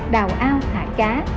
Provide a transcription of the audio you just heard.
đào ao hạ cá